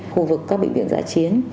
khu vực các bệnh viện giã chiến